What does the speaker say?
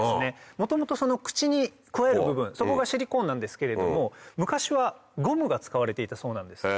元々口にくわえる部分そこがシリコーンなんですけれども昔はゴムが使われていたそうなんです。